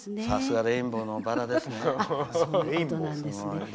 さすがレインボーのバラですね。